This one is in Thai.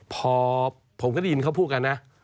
พอผมก็ได้ยินเขาพูดกันนะ